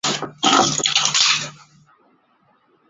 砂生槐为豆科槐属下的一个种。